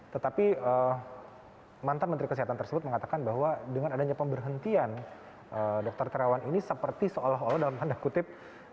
tetapi mantan menteri kesehatan tersebut mengatakan bahwa dengan adanya pemberhentian dokter terawan ini seperti seolah olah dalam tanda kutip